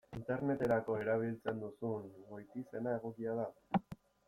Interneterako erabiltzen duzun goitizena egokia da?